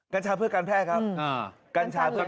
กัญชาเพื่อกัญแภครับ